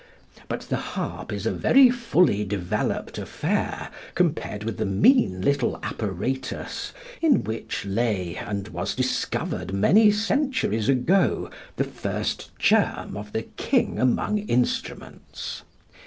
But the harp is a very fully developed affair compared with the mean little apparatus in which lay and was discovered many centuries ago the first germ of the king among instruments.